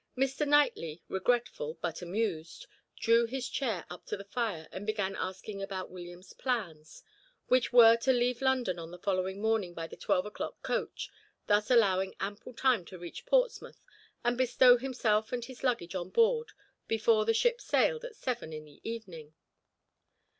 Mr. Knightley, regretful, but amused, drew his chair up to the fire and began asking about William's plans, which were to leave London on the following morning by the twelve o'clock coach, thus allowing ample time to reach Portsmouth and bestow himself and his baggage on board before the ship sailed at seven in the evening.